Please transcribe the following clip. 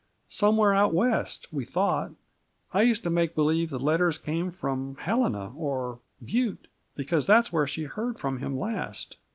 Somewhere out West, we thought. I used to make believe the letters came from Helena, or Butte, because that was where she heard from him last.